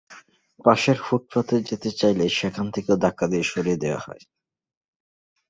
পাশের ফুটপাতে যেতে চাইলে সেখান থেকেও ধাক্কা দিয়ে সরিয়ে দেওয়া হয়।